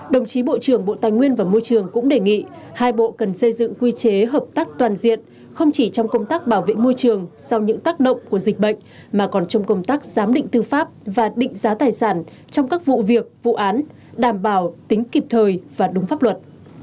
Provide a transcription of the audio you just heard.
đồng chí bộ trưởng bộ tài nguyên và môi trường cũng đề nghị hai bộ cần xây dựng quy chế hợp tác toàn diện không chỉ trong công tác bảo vệ môi trường sau những tác động của dịch bệnh mà còn trong công tác giám định tư pháp và định giá tài sản trong các vụ việc vụ án đảm bảo tính kịp thời và đúng pháp luật